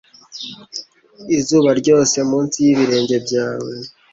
Izuba ryose munsi y'ibirenge byawe